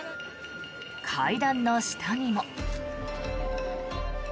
階段の下にも。